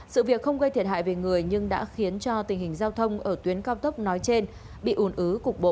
sự việc không gây thiệt hại về người nhưng đã khiến cho tình hình giao thông ở tuyến cao tốc nói trên bị ủn ứ cục bộ